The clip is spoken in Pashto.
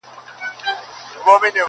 • هغه ورځ خبره ورانه د کاروان سي -